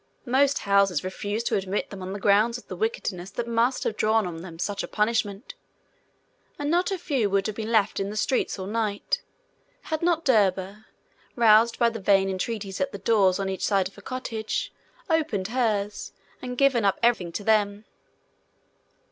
Most houses refused to admit them on the ground of the wickedness that must have drawn on them such a punishment; and not a few would have been left in the streets all night, had not Derba, roused by the vain entreaties at the doors on each side of her cottage, opened hers, and given up everything to them.